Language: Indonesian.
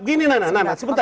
gini nana nana sebentar